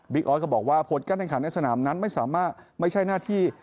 บิ๊กออสก็บอกว่าโพสต์การทางขาดในสนามนั้นไม่ใช่หน้าที่